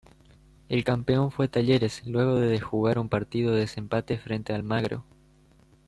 El campeón fue Talleres luego de jugar un partido de desempate frente a Almagro.